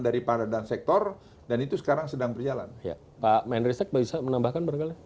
dari para dan sektor dan itu sekarang sedang berjalan pak mengecek bisa menambahkan berkarya